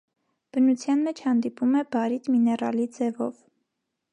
Բնության մեջ հանդիպում է բարիտ միներալի ձևով։